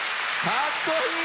かっこいい！